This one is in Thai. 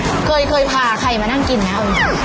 เคยพาใครมานั่งกินไหม